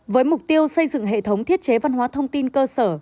với mục tiêu xây dựng hệ thống thiết chế văn hóa thông tin cơ sở